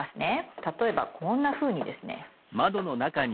例えばこんなふうにですね